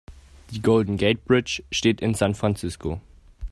Die Golden Gate Bridge steht in San Francisco.